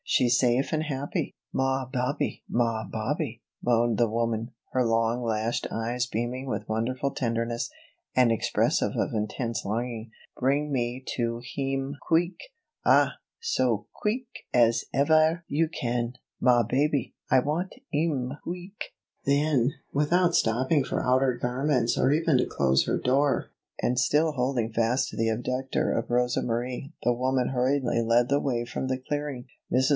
"She's safe and happy." "Ma babee, ma babee," moaned the woman, her long lashed eyes beaming with wonderful tenderness, and expressive of intense longing. "Bring me to heem queek ah, so queek as evaire you can. Ma babee I want heem queek." Then, without stopping for outer garments or even to close her door, and still holding fast to the abductor of Rosa Marie, the woman hurriedly led the way from the clearing. Mrs.